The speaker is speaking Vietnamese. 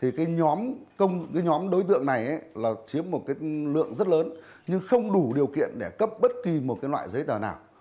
thì cái nhóm đối tượng này là chiếm một cái lượng rất lớn nhưng không đủ điều kiện để cấp bất kỳ một cái loại giấy tờ nào